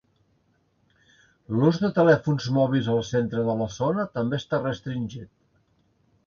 L'ús de telèfons mòbils al centre de la zona també està restringit.